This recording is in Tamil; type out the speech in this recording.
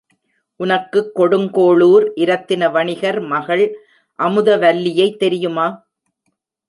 உனக்குக் கொடுங்கோளுர் இரத்தின வணிகர் மகள் அமுதவல்லியைத் தெரியுமா?